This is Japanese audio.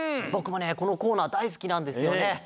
ぼくもねこのコーナーだいすきなんですよね。